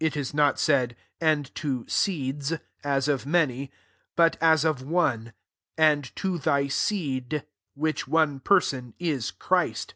(It is not said, " And to i seeds," as of many ; but as of one ;" And to thy seed," which one person is Christ.)